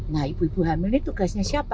nah ibu ibu hamil ini tugasnya siapa